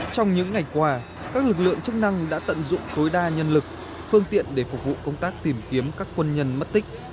trong những ngày qua các lực lượng chức năng đã tận dụng tối đa nhân lực phương tiện để phục vụ công tác tìm kiếm các quân nhân mất tích